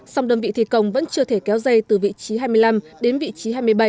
song đơn vị thi công vẫn chưa thể kéo dây từ vị trí hai mươi năm đến vị trí hai mươi bảy